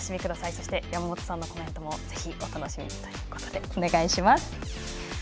そして山本さんのコメントもぜひお楽しみということでお願いします。